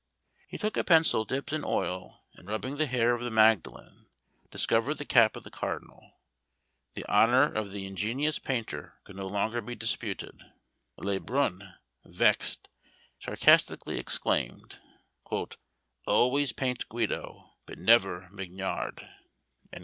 He took a pencil dipped in oil, and rubbing the hair of the Magdalen, discovered the cap of the cardinal. The honour of the ingenious painter could no longer be disputed; Le Brun, vexed, sarcastically exclaimed, "Always paint Guido, but never Mignard."